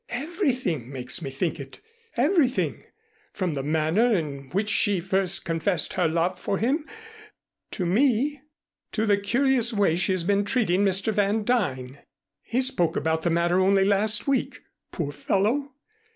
"Everything makes me think it everything from the manner in which she first confessed her love for him to me to the curious way she has been treating Mr. Van Duyn. He spoke about the matter only last week. Poor fellow!